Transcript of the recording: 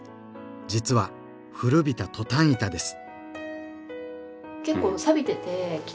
実は古びたトタン板です。